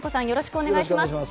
よろしくお願いします。